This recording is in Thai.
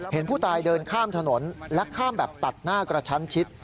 เห็นผู้ตายเดินข้ามถนนและข้ามแบบตัดหน้ากระชั้นชิด